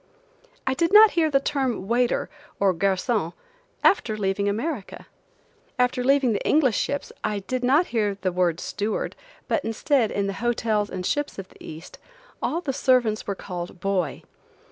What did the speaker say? I did not hear the term waiter, or garcon, after leaving America. After leaving the English ships I did not hear the word steward, but instead, in the hotels and ships in the East, all the servants were called "boy."